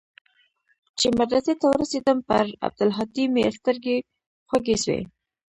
چې مدرسې ته ورسېدم پر عبدالهادي مې سترګې خوږې سوې.